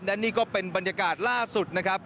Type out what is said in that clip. และนี่ก็เป็นบรรยากาศล่าสุดนะครับ